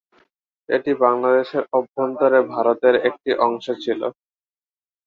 এটি বাংলাদেশের অভ্যন্তরে ভারতের একটি অংশ ছিল।